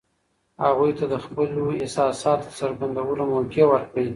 هغوی ته د خپلو احساساتو د څرګندولو موقع ورکړئ.